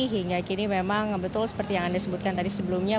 hingga kini memang betul seperti yang anda sebutkan tadi sebelumnya